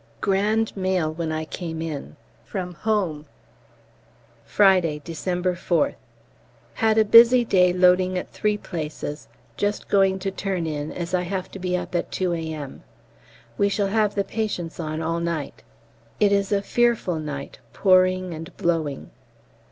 Grand mail when I came in from home. Friday, December 4th. Had a busy day loading at three places: just going to turn in as I have to be up at 2 A.M.; we shall have the patients on all night. It is a fearful night, pouring and blowing.